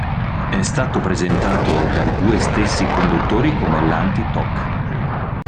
È stato presentato dai due stessi conduttori come l'"anti-talk".